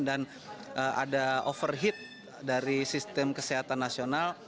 dan ada overheat dari sistem kesehatan nasional